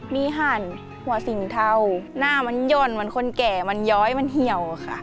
มีหั่นหัวสิ่งเทาหน้ามันหย่อนเหมือนคนแก่มันย้อยมันเหี่ยวค่ะ